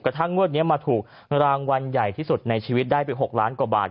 กระทั่งงวดนี้มาถูกรางวัลใหญ่ที่สุดในชีวิตได้ไป๖ล้านกว่าบาท